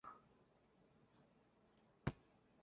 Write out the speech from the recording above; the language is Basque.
Jaso dituen sari aipagarrienetako batzuk.